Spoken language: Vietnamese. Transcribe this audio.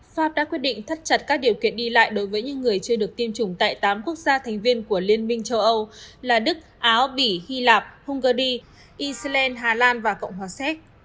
pháp đã quyết định thắt chặt các điều kiện đi lại đối với những người chưa được tiêm chủng tại tám quốc gia thành viên của liên minh châu âu là đức áo bỉ hy lạp hungary eceland hà lan và cộng hòa séc